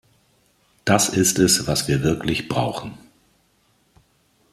Das ist es, was wir wirklich brauchen.